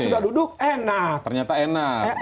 sudah duduk enak ternyata enak